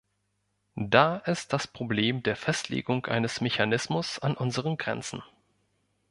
Da ist das Problem der Festlegung eines Mechanismus an unseren Grenzen.